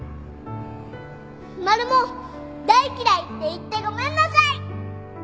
マルモ大嫌いって言ってごめんなさい。